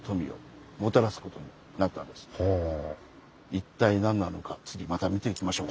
一体何なのか次また見ていきましょう。